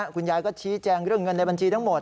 คุณยายก็ชี้แจงเรื่องเงินในบัญชีทั้งหมด